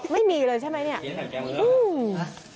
ไม่มีเลยใช่ไหมเนี่ย